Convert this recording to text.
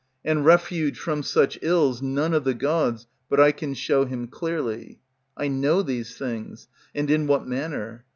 And refuge from such ills none of the gods But I can show him clearly. I know these things, and in what manner.